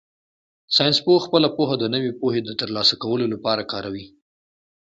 ساینسپوه خپله پوهه د نوې پوهې د ترلاسه کولو لپاره کاروي.